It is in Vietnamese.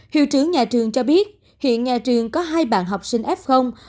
hiệu trưởng nhà trường cho biết hiện nhà trường có hai bạn học sinh f